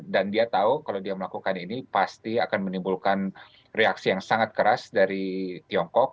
dan dia tahu kalau dia melakukan ini pasti akan menimbulkan reaksi yang sangat keras dari tiongkok